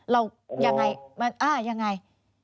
เรายังไง